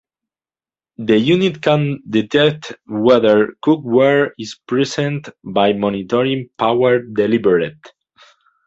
The unit can detect whether cookware is present by monitoring power delivered.